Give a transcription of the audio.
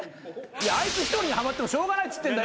あいつ一人にはまってもしょうがないっつってんだよ。